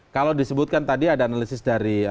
kalau disebutkan tadi ada analisis dari